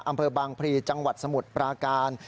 อำเภอบางพลีจังหวัดสมุทรปราการ